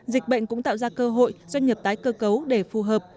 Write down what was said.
dịch bệnh cũng tạo ra cơ hội doanh nghiệp tái cơ cấu để phù hợp